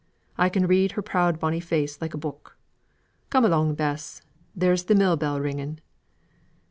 I can read her proud bonny face like a book. Come along, Bess; there's the mill bell ringing."